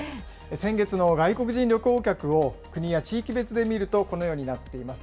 先月の外国人旅行客を国や地域別で見ると、このようになっています。